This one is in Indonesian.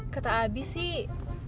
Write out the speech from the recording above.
kata abi sih